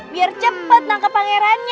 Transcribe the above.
biar cepet nangkep pangerannya